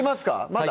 まだ？